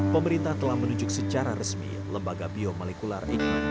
pemerintah telah menunjuk secara resmi lembaga biomolekuler eijkman